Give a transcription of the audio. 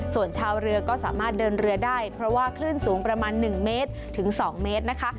ส่วนชาวเรือก็สามารถเดินเรือได้เพราะว่าคลื่นสูงประมาณ๑เมตรถึง๒เมตรนะคะ